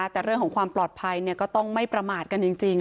แต่เรื่องของความปลอดภัยก็ต้องไม่ประมาทกันจริง